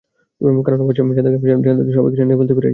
কারণ অবশেষে, যাদেরকে আমি জানাতে চাই, সবাইকে জানিয়ে ফেলতে পেরেছিলাম।